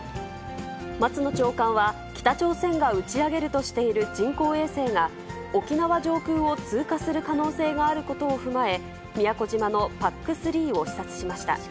松野長官は北朝鮮が打ち上げるとしている人工衛星が、沖縄上空を通過する可能性があることを踏まえ、宮古島のＰＡＣ３を視察しました。